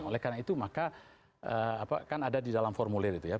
oleh karena itu maka kan ada di dalam formulir itu ya